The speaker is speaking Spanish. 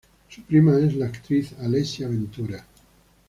Su prima es la actriz Alessia Ventura.